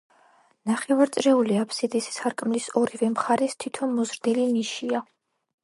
ნახევარწრიული აფსიდის სარკმლის ორივე მხარეს თითო მოზრდილი ნიშია.